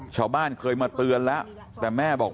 ชาวบ้านเคยมาเตือนแล้วแต่แม่บอก